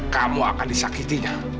kamu akan disakitinya